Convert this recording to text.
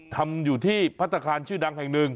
ทำอยู่ที่พัฒนาคารชื่อดังแห่งหนึ่ง